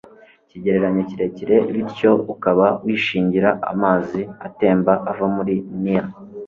ikigereranyo kirekire bityo ukaba wishingira a amazi atemba ava muri nili